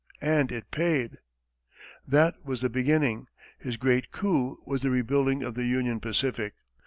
And it paid. That was the beginning. His great coup was the rebuilding of the Union Pacific.